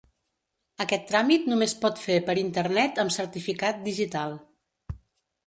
Aquest tràmit només pot fer per internet amb certificat digital.